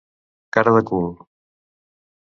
Cara de cul.